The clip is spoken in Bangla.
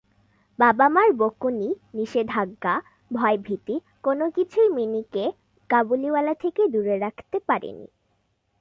বাবা-মার বকুনি, নিষেধাজ্ঞা, ভয়ভীতি কোনো কিছুই মিনিকে কাবুলিওয়ালা থেকে দূরে রাখতে পারেনি।